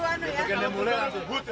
nanti kan dimulai langsung butuh